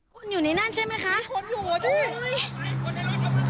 คนอยู่ในนั้นใช่ไหมคะคนอยู่คนในรถครับคนในรถครับ